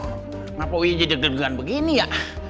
kenapa uya jadi deg degan begini ya